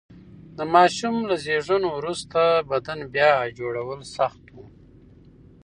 د ماشوم له زېږون وروسته بدن بیا جوړول سخت و.